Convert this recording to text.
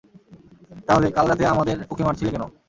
তাহলে কাল রাতে আমাদের উঁকি মারছিলে কেন?